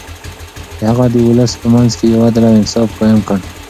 هغه د ولس په منځ کې يو عدل او انصاف قايم کړ.